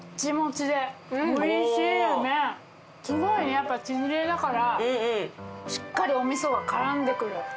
すごいねやっぱ縮れだからしっかりお味噌が絡んで来る。